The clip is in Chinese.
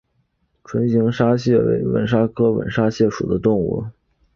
锥唇吻沙蚕为吻沙蚕科吻沙蚕属的动物。